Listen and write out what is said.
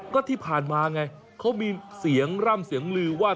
ก็ที่ผ่านมาไงเขามีเสียงร่ำเสียงลือว่า